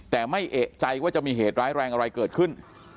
แต่ไม่เอกใจว่าจะมีเหตุร้ายแรงอะไรเกิดขึ้น